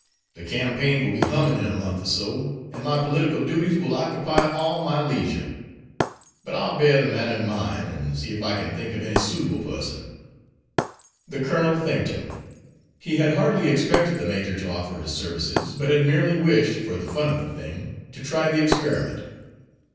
The campaign will be hummin' in a month or so, an' my political duties will occupy all my leisure. But I'll bear the matter in mind, an' see if I can think of any suitable person." The colonel thanked him. He had hardly expected the major to offer his services, but had merely wished, for the fun of the thing, to try the experiment.